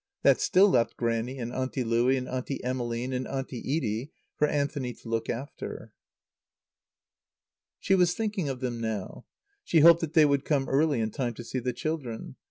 That still left Grannie and Auntie Louie and Auntie Emmeline and Auntie Edie for Anthony to look after. She was thinking of them now. She hoped that they would come early in time to see the children.